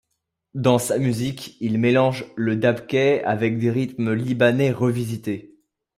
Dans sa musique, il mélange le dabkeh avec des rythmes libanais revisités.